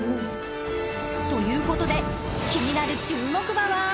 ［ということで気になる注目馬は］